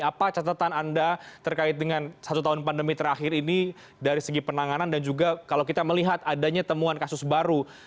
apa catatan anda terkait dengan satu tahun pandemi terakhir ini dari segi penanganan dan juga kalau kita melihat adanya temuan kasus baru